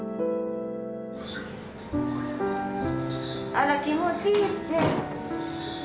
あら気持ちいいって。